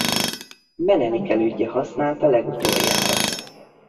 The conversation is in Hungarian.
Menelik elődje használta legutoljára.